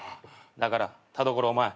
だから田所お前